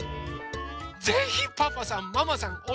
ぜひパパさんママさん